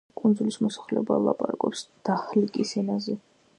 კუნძულის მოსახლეობა ლაპარაკობს დაჰლიკის ენაზე.